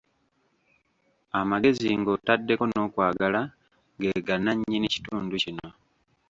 Amagezi ng'otaddeko n'okwagala ge gannannyini kitundu kino.